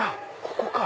ここか。